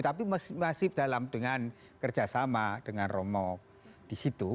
tapi masih dalam dengan kerjasama dengan romo di situ